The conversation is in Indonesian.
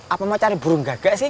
apa mau cari burung gagak sih